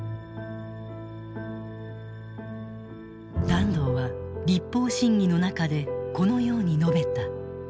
團藤は立法審議の中でこのように述べた。